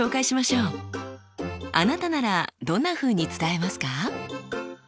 あなたならどんなふうに伝えますか？